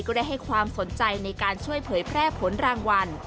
ได้ให้ความสนใจในการช่วยเผยแพร่ผลรางวัล